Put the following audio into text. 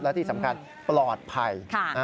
และที่สำคัญปลอดภัย